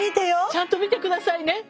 ちゃんと見て下さいね。